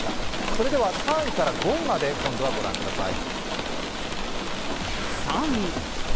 それでは３位から５位まで今度はご覧ください。